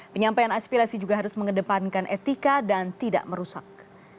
penyampaian aspirasi juga harus mengedepankan etika dan tidak merusak